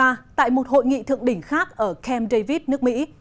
vào mùa thu năm hai nghìn hai mươi ba tại một hội nghị thượng đỉnh khác ở camp david nước mỹ